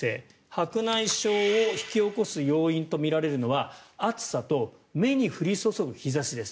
白内障を引き起こす要因とみられるのは暑さと目に降り注ぐ日差しです。